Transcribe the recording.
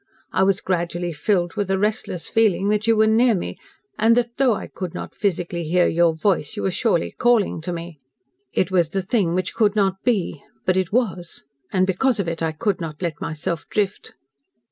I was gradually filled with a restless feeling that you were near me, and that, though I could not physically hear your voice, you were surely CALLING to me. It was the thing which could not be but it was and because of it I could not let myself drift."